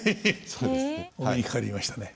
そうですね。